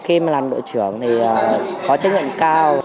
khi mà làm đội trưởng thì có trách nhiệm cao